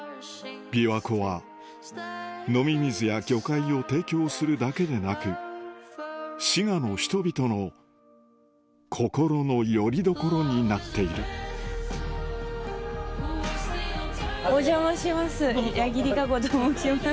琵琶湖は飲み水や魚介を提供するだけでなく滋賀の人々の心のよりどころになっている八木莉可子と申します